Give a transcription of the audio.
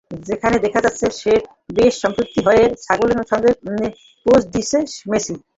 যেখানে দেখা যাচ্ছে, বেশ সপ্রভিত হয়েই ছাগলের সঙ্গে পোজ দিচ্ছেন মেসি।